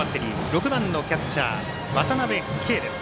６番のキャッチャー、渡辺憩です。